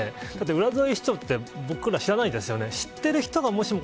だって浦添市長って僕ら知らないですよね。